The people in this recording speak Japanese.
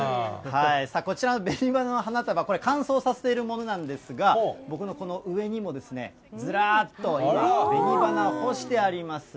こちらのべに花の花束、これ、乾燥させているものなんですが、僕のこの上にも、ずらーっとべに花干してあります。